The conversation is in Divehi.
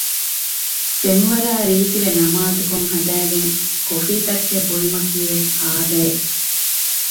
ފެންވަރާ ރީތިވެ ނަމާދުކޮށް ހަދައިގެން ކޮފީތައްޓެއް ބުއިމަކީ ވެސް އާދައެއް